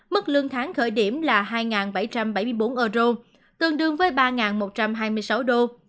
mức lương tháng khởi điểm là hai bảy trăm bảy mươi bốn euro tương đương với ba một trăm hai mươi sáu đô